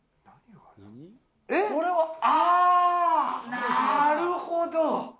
あなるほど。